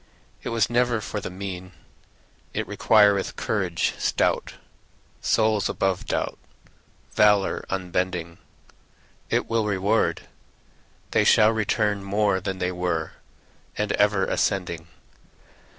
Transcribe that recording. It was never for the mean; It requireth courage stout. Souls above doubt, Valor unbending, It will reward, They shall return More than they were, And ever ascending.